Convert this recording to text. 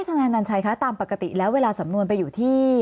ทนายนัญชัยคะตามปกติแล้วเวลาสำนวนไปอยู่ที่